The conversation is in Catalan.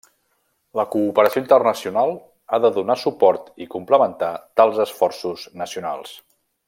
La cooperació internacional ha de donar suport i complementar tals esforços nacionals.